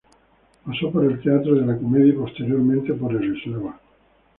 Pasó por el Teatro de la Comedia y posteriormente por el Eslava.